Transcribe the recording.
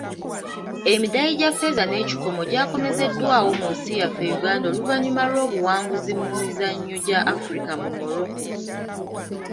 Emidaali gya feeza n'ekikomo gyakomezeddwawo mu nsi yaffe Uganda oluvannyuma lw'obuwanguzi mu mizannyo gya Africa mu Morocco.